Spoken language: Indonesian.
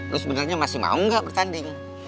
lo sebenarnya masih mau nggak bertanding